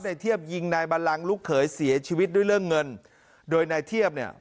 เทียบยิงนายบัลลังลูกเขยเสียชีวิตด้วยเรื่องเงินโดยนายเทียบเนี่ย